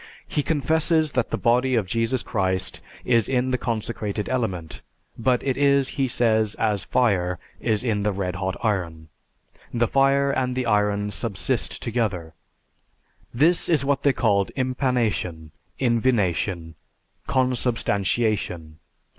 He confesses that the body of Jesus Christ is in the consecrated element, but it is, he says, as fire is in the red hot iron. The fire and the iron subsist together. This is what they called impanation, invination, consubstantiation.